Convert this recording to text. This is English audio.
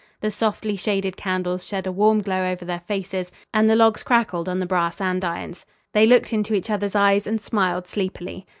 The softly shaded candles shed a warm glow over their faces, and the logs crackled on the brass andirons. They looked into each others' eyes and smiled sleepily.